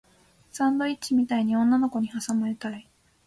サンドイッチみたいに女の子に挟まれたい